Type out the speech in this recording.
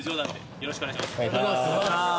よろしくお願いします。